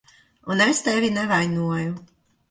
Un es tevi nevainoju.